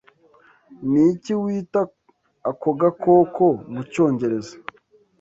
Niki wita ako gakoko mucyongereza?